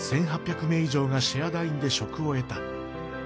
１，８００名以上がシェアダインで職を得た。